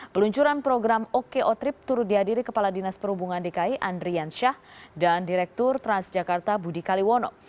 peluncuran program oko trip turut dihadiri kepala dinas perhubungan dki andrian syah dan direktur transjakarta budi kaliwono